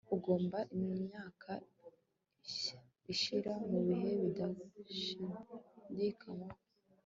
Ugomba imyaka ishira mubihe bidashidikanywaho